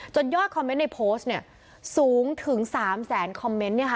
ยอดคอมเมนต์ในโพสต์เนี่ยสูงถึง๓แสนคอมเมนต์เนี่ยค่ะ